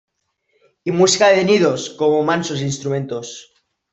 Y música de nidos, como mansos instrumentos.